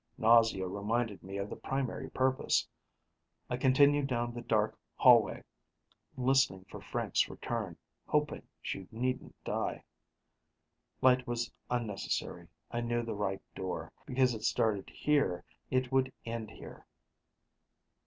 Nausea reminded me of the primary purpose. I continued down the dark hallway, listening for Frank's return, hoping she needn't die. Light was unnecessary: I knew the right door. Because it started here, it would end here.